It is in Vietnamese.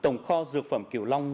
tổng kho dược phẩm kiều long